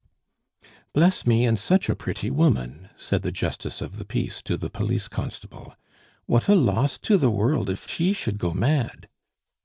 "Bless me, and such a pretty woman!" said the Justice of the Peace to the police constable. "What a loss to the world if she should go mad!"